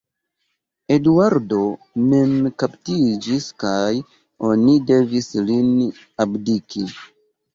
Eduardo mem kaptiĝis kaj oni devis lin abdiki.